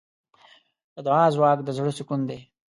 د دعا ځواک د زړۀ سکون دی.